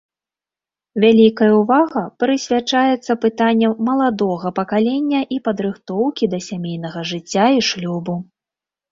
Вялікая ўвага прысвячаецца пытанням маладога пакалення і падрыхтоўкі да сямейнага жыцця і шлюбу.